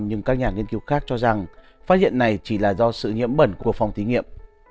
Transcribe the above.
nhưng các nhà nghiên cứu khác cho rằng phát hiện này chỉ là do sự nhiễm bẩn của phòng thí nghiệm